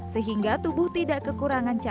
sehingga tubuh tidak kekurangan jantung